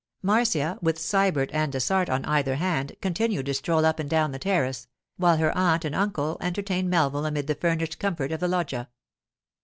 Marcia, with Sybert and Dessart on either hand, continued to stroll up and down the terrace, while her aunt and uncle entertained Melville amid the furnished comfort of the loggia.